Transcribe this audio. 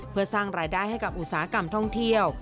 เพื่อสร้างรายได้ให้กับอุตสาหกรรมท่องเที่ยว